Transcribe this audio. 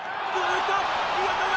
いい当たりだ！